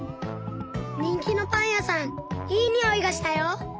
にんきのパンやさんいいにおいがしたよ！